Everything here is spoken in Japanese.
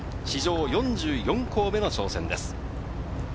史上４４校目の挑戦です。